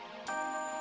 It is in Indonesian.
bukan karena aku